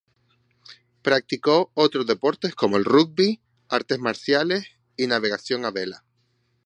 Practicó otros deportes como el Rugby, artes marciales y navegación a vela.